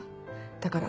だから。